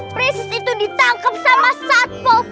prinsip itu ditangkap sama satpol pp